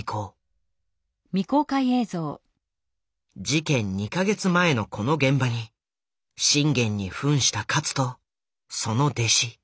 事件２か月前のこの現場に信玄に扮した勝とその弟子